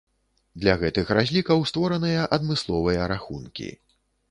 Для гэтых разлікаў створаныя адмысловыя рахункі.